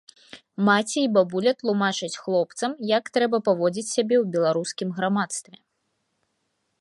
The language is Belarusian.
Маці і бабуля тлумачаць хлопцам, як трэба паводзіць сябе ў беларускім грамадстве.